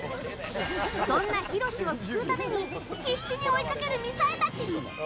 そんなひろしを救うために必死に追いかける、みさえたち！